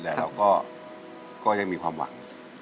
แต่เราก็ยังมีความหวัง